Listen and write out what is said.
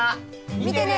見てね！